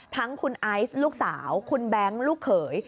ทั้งคุณไอซ์ลูกสาวคุณแบงค์ลูกเขย